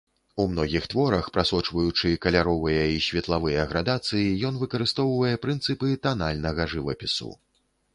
У многіх творах, прасочваючы каляровыя і светлавыя градацыі, ён выкарыстоўвае прынцыпы танальнага жывапісу.